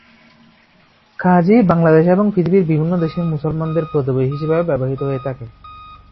কাজী বাংলাদেশ এবং পৃথিবীর বিভিন্ন দেশের মুসলমানদের পদবি হিসেবে ব্যবহৃত হয়ে থাকে।